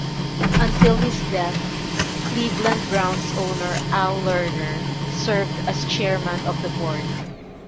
Until his death, Cleveland Browns owner Al Lerner served as Chairman of the Board.